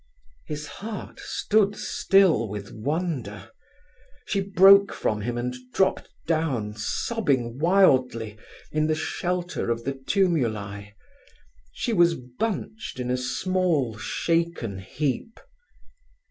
His heart stood still with wonder. She broke from him and dropped down, sobbing wildly, in the shelter of the tumuli. She was bunched in a small, shaken heap.